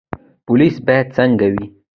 پولیس باید څنګه وي؟